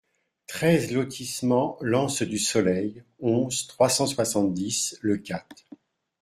treize lotissement L'Anse du Soleil, onze, trois cent soixante-dix, Leucate